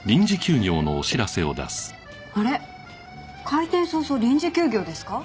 開店早々臨時休業ですか？